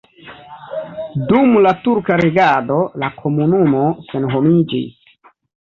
Dum la turka regado la komunumo senhomiĝis.